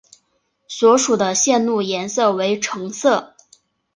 所属的线路颜色为橙色。